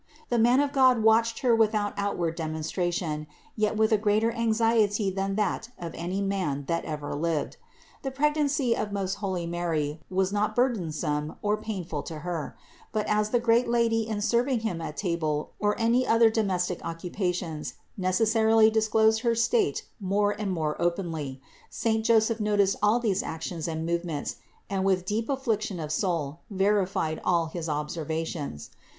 The man of God watched Her without out ward demonstration, yet with a greater anxiety than that of any man that ever lived. The pregnancy of most holy Mary was not burdensome or painful to Her; but as the great L ady in serving him at table or any other domestic occupations, necessarily disclosed her state more and more openly, saint Joseph noticed all these actions and movements and with deep affliction of soul verified all his observations.